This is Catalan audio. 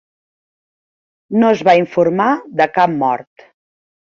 No es va informar de cap mort.